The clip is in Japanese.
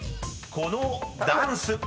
［このダンス］